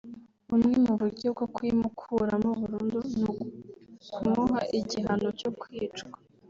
Bumwe mu buryo bwo kuyimukuramo burundu ni ukumuha igihano cyo kwicwa